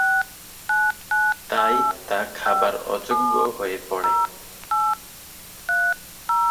তাই তা খাবার অযোগ্য হয়ে পড়ে।